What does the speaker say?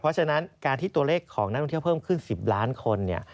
เพราะฉะนั้นการที่ตัวเลขของนักท่องเที่ยวเพิ่มขึ้น๑๐ล้านคนเนี่ย